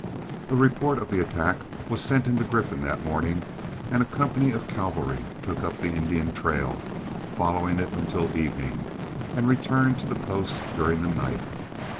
A report of the attack was sent into Griffin that morning, and a company of cavalry took up the Indian trail, followed it until evening, and returned to the post during the night.